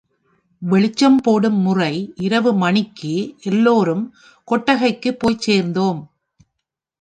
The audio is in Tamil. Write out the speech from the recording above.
வெளிச்சம் போடும் முறை இரவு மணிக்கு எல்லோரும் கொட்டகைக்குப் போய்ச் சேர்ந்தோம்.